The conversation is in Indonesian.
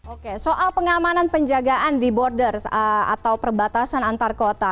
oke soal pengamanan penjagaan di borders atau perbatasan antar kota